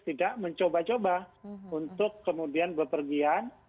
tidak mencoba coba untuk kemudian bepergian